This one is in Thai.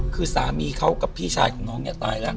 คือสามีเขากับพี่ชายของน้องเนี่ยตายแล้ว